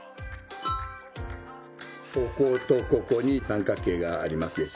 こことここに三角形がありますでしょ。